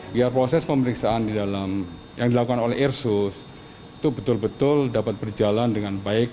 biar proses pemeriksaan yang dilakukan oleh irsus itu betul betul dapat berjalan dengan baik